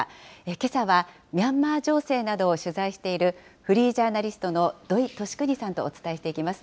けさはミャンマー情勢などを取材している、フリージャーナリストの土井敏邦さんとお伝えしていきます。